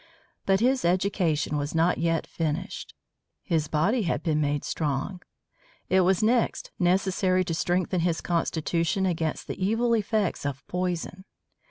But his education was not yet finished. His body had been made strong. It was next necessary to strengthen his constitution against the evil effects of poison.